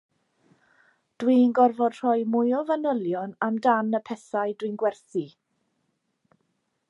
Dwi'n gorfod rhoi mwy o fanylion amdan y pethau dwi'n gwerthu